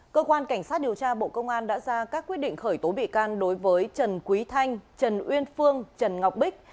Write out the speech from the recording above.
cơ quan cảnh sát điều tra bộ công an đã ra các quyết định khởi tố bị can đối với trần quý thanh trần uyên phương trần ngọc bích